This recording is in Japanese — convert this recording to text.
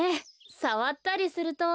さわったりすると。